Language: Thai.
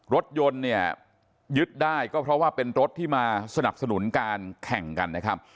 รถยนต์เนี่ยยึดได้ก็เพราะว่าเป็นรถที่มาสนับสนุนการแข่งกันนะครับ